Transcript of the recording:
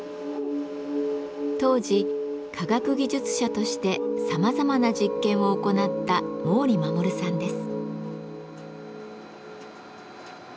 当時科学技術者としてさまざまな実験を行った毛利衛さんです。